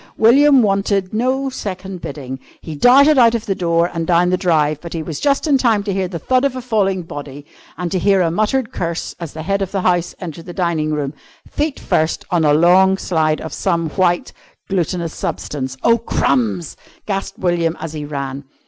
William wanted no second bidding. He darted out of the door and down the drive, but he was just in time to hear the thud of a falling body, and to hear a muttered curse as the Head of the House entered the dining room feet first on a long slide of some white, glutinous substance. "Oh, crumbs!" gasped William as he ran.